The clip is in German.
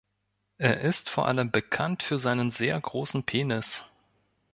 Er ist vor allem bekannt für seinen sehr großen Penis.